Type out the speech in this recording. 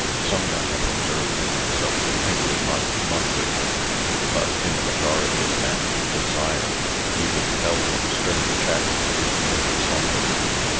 Some men have observed in themselves a faintly marked monthly rhythm; but in the majority of men desire, even if held in stern check, is merely slumbering.